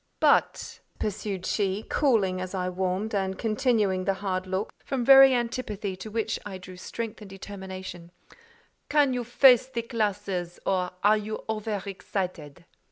"But," pursued she, cooling as I warmed, and continuing the hard look, from very antipathy to which I drew strength and determination, "can you face the classes, or are you over excited?"